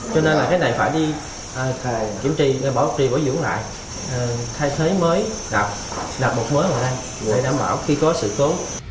cho nên là cái này phải đi kiểm trì bảo trì bảo dưỡng lại thay thế mới đạp đạp bột mới vào đây để đảm bảo khi có sự cố